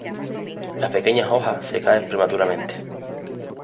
Las pequeñas hojas se caen prematuramente.